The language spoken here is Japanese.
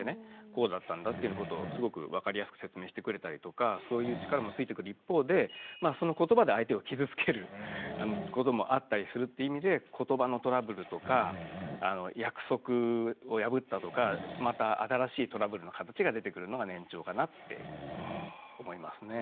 こうだったんだっていうことをすごく分かりやすく説明してくれたりとかそういう力もついてくる一方でそのことばで相手を傷つけることもあったりするって意味でことばのトラブルとか約束を破ったとかまた新しいトラブルの形が出てくるのが年長かなって思いますね。